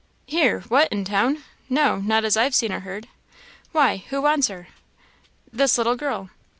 "Here? what, in town? No not as I've seen or heard. Why, who wants her?" "This little girl."